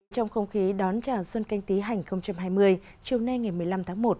trong không khí đón chào xuân canh tí hành hai mươi chiều nay ngày một mươi năm tháng một